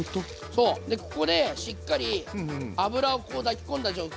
そうでここでしっかり油をこう抱き込んだ状態